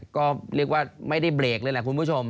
ก็เรียกว่าไม่ได้เบรกเลยแหละคุณผู้ชม